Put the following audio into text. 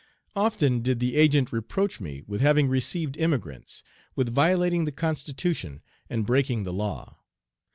"Often did the Agent reproach me with having received emigrants, with violating the constitution, and breaking the law.